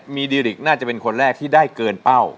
มีดิริกน่าจะเป็นคนแรกที่ได้เกินเป้า